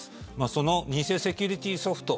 その偽セキュリティーソフト。